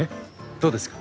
どうですか？